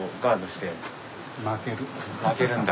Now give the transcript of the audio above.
負けるんだ。